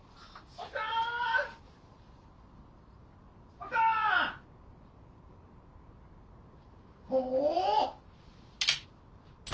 おお！